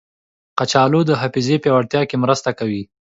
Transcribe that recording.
کچالو د حافظې پیاوړتیا کې مرسته کوي.